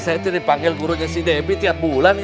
saya tuh dipanggil gurunya si debbie tiap bulan ya